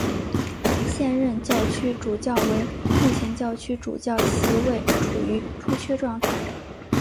现任教区主教为目前教区主教席位处于出缺状态。